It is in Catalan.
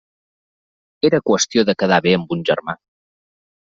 Era qüestió de quedar bé amb un germà.